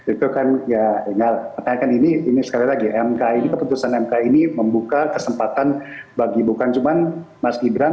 itu kan ya ya kan ini sekali lagi ya mka ini keputusan mka ini membuka kesempatan bagi bukan cuma mas gibran